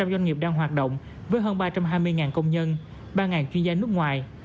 một năm trăm linh doanh nghiệp đang hoạt động với hơn ba trăm hai mươi công nhân ba chuyên gia nước ngoài